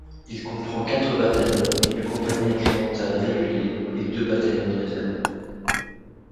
Il comprend quatre bataillons et une compagnie incrémentale réguliers et deux bataillons de réserve.